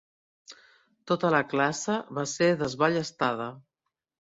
Tota la classe va ser desballestada.